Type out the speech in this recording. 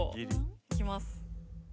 いきます。